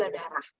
kandar gula darah